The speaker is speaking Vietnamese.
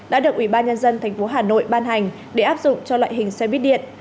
đã được ủy ban nhân dân tp hà nội ban hành để áp dụng cho loại hình xe viết điện